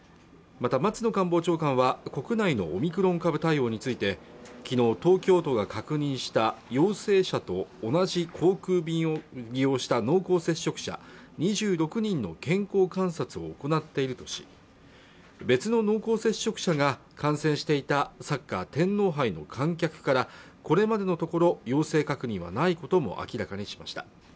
また松野官房長官は国内のオミクロン株対応について昨日東京都が確認した陽性者と同じ航空便を利用した濃厚接触者２６人の健康観察を行っているとし別の濃厚接触者が感染していたサッカー天皇杯の観客からこれまでのところ陽性確認はないことも明らかにしました